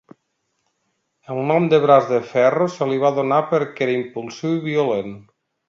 El nom de Braç de Ferro se li va donar perquè era impulsiu i violent.